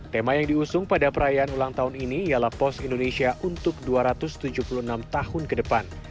tema yang diusung pada perayaan ulang tahun ini ialah pos indonesia untuk dua ratus tujuh puluh enam tahun ke depan